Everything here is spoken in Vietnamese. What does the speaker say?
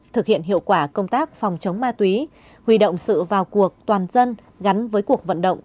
thực hiện hiệu quả công tác phòng chống ma túy huy động sự vào cuộc toàn dân gắn với cuộc vận động